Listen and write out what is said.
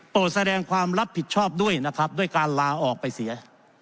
แสดงความรับผิดชอบด้วยนะครับด้วยการลาออกไปเสีย